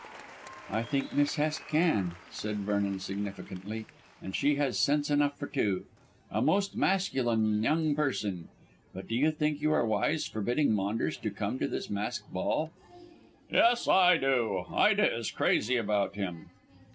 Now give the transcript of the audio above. "I think Miss Hest can," said Vernon significantly; "and she has sense enough for two. A most masculine young person. But do you think you are wise forbidding Maunders to come to this masked ball?" "Yes, I do. Ida is crazy about him."